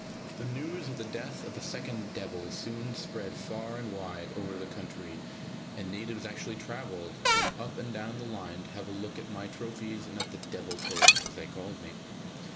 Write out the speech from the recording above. The news of the death of the second "devil" soon spread far and wide over the country, and natives actually travelled from up and down the line to have a look at my trophies and at the "devil killer", as they called me.